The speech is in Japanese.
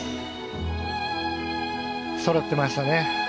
そろってましたね。